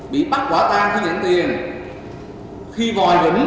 bị bắt quả tang khi nhận tiền khi vòi vĩnh nhiều hơn mọi năm